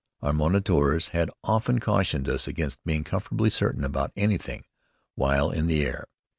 Our moniteurs had often cautioned us against being comfortably certain about anything while in the air.